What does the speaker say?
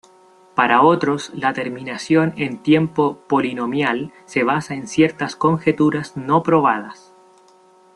Para otros la terminación en tiempo polinomial se basa en ciertas conjeturas no probadas.